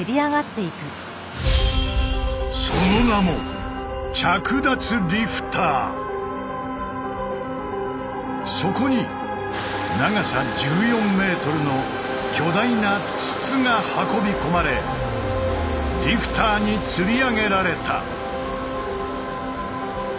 その名もそこに長さ１４ｍの巨大な筒が運び込まれリフターに吊り上げられた。